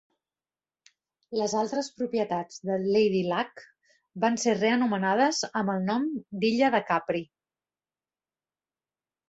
Les altres propietats de Lady Luck van ser reanomenades amb el nom d'Illa de Capri.